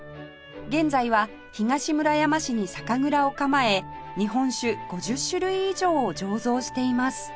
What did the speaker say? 現在は東村山市に酒蔵を構え日本酒５０種類以上を醸造しています